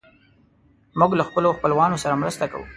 موږ له خپلو خپلوانو سره مرسته کوو.